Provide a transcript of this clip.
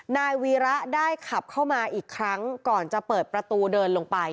นายวีระได้ขับเข้ามาอีกครั้งก่อนจะเปิดประตูเดินลงไป